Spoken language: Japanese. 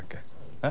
えっ？